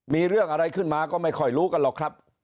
มีเรื่องอะไรขึ้นมาก็ไม่ค่อยรู้กันหรอกครับ